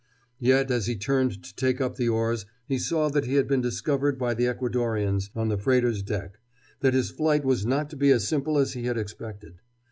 Yet as he turned to take up the oars he saw that he had been discovered by the Ecuadoreans on the freighter's deck, that his flight was not to be as simple as he had expected.